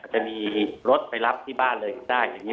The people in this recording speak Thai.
จะมีรถไปรับที่บ้านเลยได้